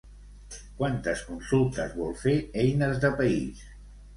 Quantes consultes vol fer Eines de País?